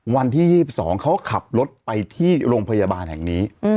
วันที่๒๒เขาขับรถไปที่โรงพยาบาลแห่งนี้